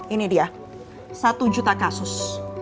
ini dia satu juta kasus